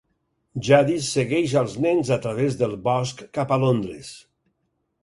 Jadis segueix als nens a través del bosc cap a Londres.